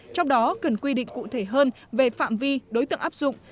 trong đó cần quy định cụ thể hơn về phạm vi đối tượng áp dụng